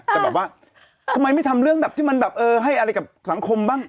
ทำไมไม่ทำเรื่องแบบที่มันให้อะไรกับสังคมบ้าง